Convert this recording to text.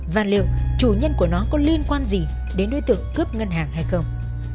và liệu chủ nhân của nó có liên quan gì đến đối tượng cướp ngân hàng hay không